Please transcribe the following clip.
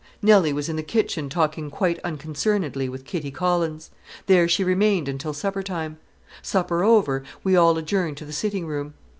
Nelly was in the kitchen talking quite unconcernedly with Kitty Collins. There she remained until supper time. Supper over, we all adjourned to the sitting room.